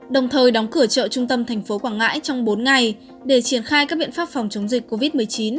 đồng thời đóng cửa chợ trung tâm thành phố quảng ngãi trong bốn ngày để triển khai các biện pháp phòng chống dịch covid một mươi chín